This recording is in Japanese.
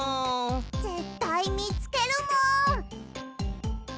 ぜったいみつけるもん！